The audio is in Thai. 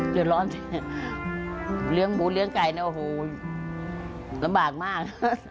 เดือดร้อนสิเลี้ยงหมูเลี้ยงไก่นะโอ้โหลำบากมาก